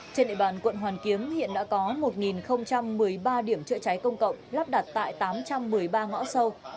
trên địa bàn quận hoàn kiếm hiện đã có một một mươi ba điểm chữa cháy công cộng lắp đặt tại tám trăm một mươi ba ngõ sâu